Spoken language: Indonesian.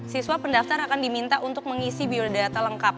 siswa pendaftar akan diminta untuk mengisi biodata lengkap